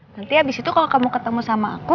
nanti abis itu kalau kamu ketemu sama aku